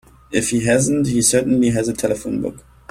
If he hasn't he certainly has a telephone book.